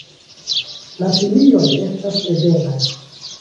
La folioj estas ebenaj.